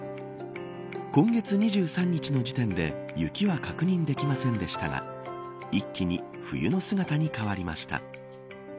今月２３日の時点で雪は確認できませんでしたが一気に冬の姿に変わりました。